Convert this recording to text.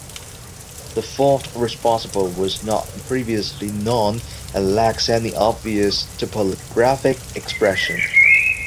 The fault responsible was not previously known and lacks any obvious topographic expression.